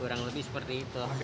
kurang lebih seperti itu